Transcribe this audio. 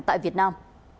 tại việt nam